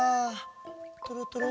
とろとろ？